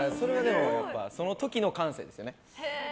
その時の感性ですよね。